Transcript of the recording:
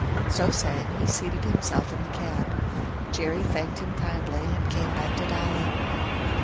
So saying, he seated himself in the cab. Jerry thanked him kindly, and came back to Dolly.